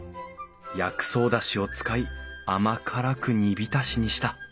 薬草だしを使い甘辛く煮びたしにした。